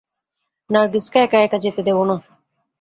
নার্গিসকে এক-একা যেতে দেব না।